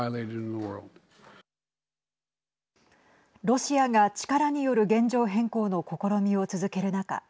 ロシアが力による現状変更の試みを続ける中